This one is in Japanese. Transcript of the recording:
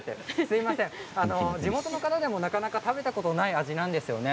地元の方でもなかなか食べたことがない味なんですよね。